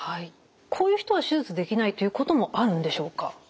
こういう人は手術できないということもあるんでしょうか？